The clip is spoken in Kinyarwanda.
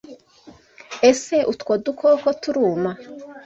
Ese utwo dukoko turuma?